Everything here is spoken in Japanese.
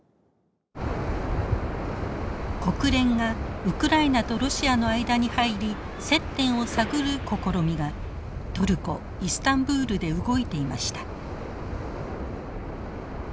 国連がウクライナとロシアの間に入り接点を探る試みがトルコ・イスタンブールで動いていました。